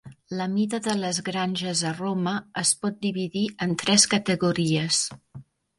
La mida de les granges a Roma es pot dividir en tres categories.